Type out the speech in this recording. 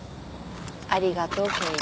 ありがとう圭一。